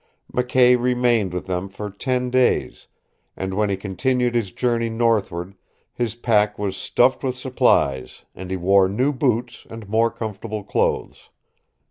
McKay remained with them for ten days, and when he continued his journey northward his pack was stuffed with supplies, and he wore new boots and more comfortable clothes.